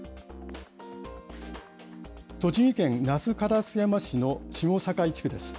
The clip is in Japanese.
栃木県那須烏山市の下境地区です。